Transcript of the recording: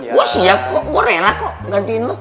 gua siap kok gua rela kok gantiin lu